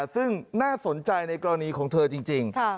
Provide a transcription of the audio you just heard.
ซึ่งน่าสนใจในกรณีของเธอจริง